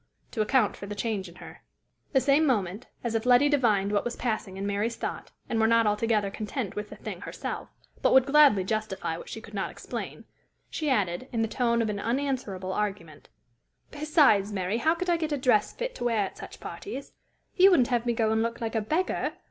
to account for the change in her. The same moment, as if Letty divined what was passing in Mary's thought, and were not altogether content with the thing herself, but would gladly justify what she could not explain, she added, in the tone of an unanswerable argument: "Besides, Mary, how could I get a dress fit to wear at such parties? You wouldn't have me go and look like a beggar!